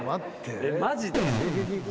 マジで？